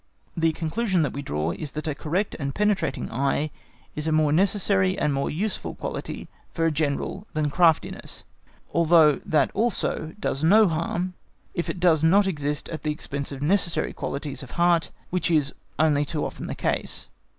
The conclusion which we draw, is that a correct and penetrating eye is a more necessary and more useful quality for a General than craftiness, although that also does no harm if it does not exist at the expense of necessary qualities of the heart, which is only too often the case.